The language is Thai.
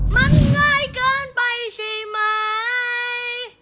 มันง่ายก่อนไปใช่มั้ย